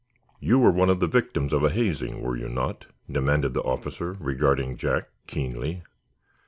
"You were one of the victims of a hazing, were you not?" demanded the officer, regarding Jack, keenly.